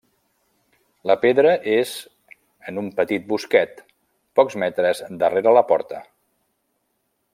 La pedra és en un petit bosquet, pocs metres darrere la porta.